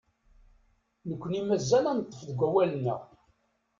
Nekni mazal ad neṭṭef deg awal-nneɣ.